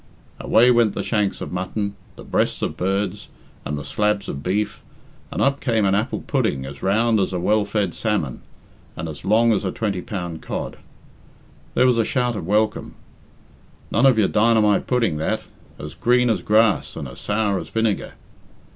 Away went the shanks of mutton, the breasts of birds, and the slabs of beef, and up came an apple pudding as round as a well fed salmon, and as long as a twenty pound cod. There was a shout of welcome. "None of your dynamite pudding that, as green as grass and as sour as vinegar."